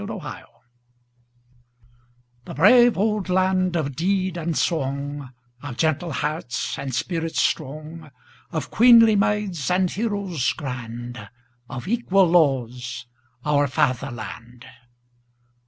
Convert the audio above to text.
Fatherland THE BRAVE old land of deed and song, Of gentle hearts and spirits strong, Of queenly maids and heroes grand, Of equal laws,—our Fatherland!